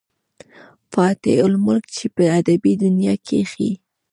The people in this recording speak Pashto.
فاتح الملک، چې پۀ ادبي دنيا کښې